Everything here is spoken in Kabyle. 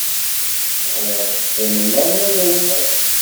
Bɣiɣ ad teqqimem arma d aynas.